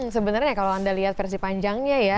sebenarnya kalau anda lihat versi panjangnya ya